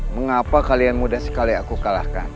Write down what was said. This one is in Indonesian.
mengapa kalian mudah sekali aku kalahkan